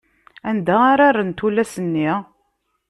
Anda ara rrent tullas-nni?